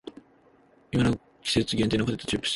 今の季節限定のポテトチップス